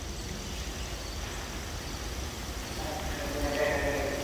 Ez daitezela horretaz kezkatu, beren nahiak laster beteko dira eta.